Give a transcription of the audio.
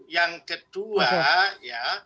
yang kedua ya